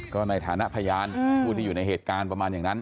ก็ในฐานะพยานผู้ที่อยู่ในเหตุการณ์ประมาณอย่างนั้น